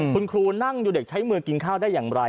คุณครูนั่งอยู่เด็กใช้มือกินข้าวได้อย่างไร